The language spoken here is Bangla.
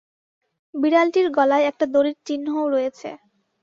বিড়ালটির গলায় একটা দড়ির চিহ্নও রয়েছে।